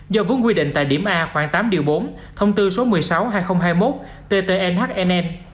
do vốn quy định tại điểm a khoảng tám bốn thông tư số một mươi sáu hai nghìn hai mươi một ttnhnn